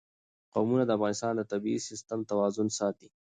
قومونه د افغانستان د طبعي سیسټم توازن ساتي.